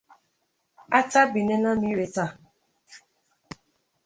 atabiena ire taa